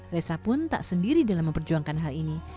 reza pun tak sendiri dalam memperjuangkan hal ini